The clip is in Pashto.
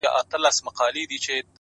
د کندهار ماځيگره- ستا خبر نه راځي-